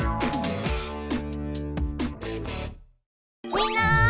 みんな！